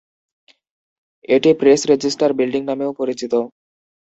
এটি press register building নামেও পরিচিত।